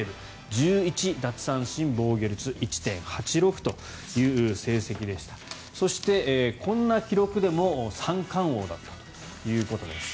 １１奪三振防御率１．８６という成績でしたそして、こんな記録でも三冠王だったということです。